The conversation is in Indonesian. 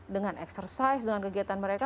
dengan eksersis dengan kegiatan mereka